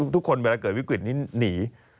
ทุกคนเวลาเกิดวิกฤตนี้หนี